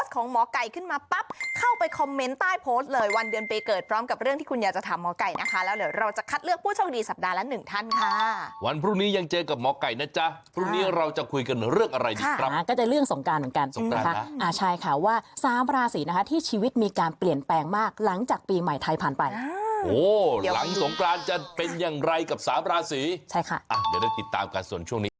ก็จะเรื่องสงการเหมือนกันสงการค่ะอ่าใช่ค่ะว่าสามราศีนะคะที่ชีวิตมีการเปลี่ยนแปลงมากหลังจากปีใหม่ไทยผ่านไปโหหลังสงการจะเป็นอย่างไรกับสามราศีใช่ค่ะอ่าเดี๋ยวได้ติดตามการส่วนช่วงนี้